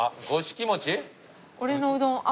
「俺のうどん赤」。